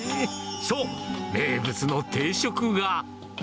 そう、名物の定食が。